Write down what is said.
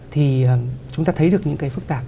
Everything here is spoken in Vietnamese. thì chúng ta thấy được những cái phức tạp